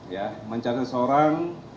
ya mencari seseorang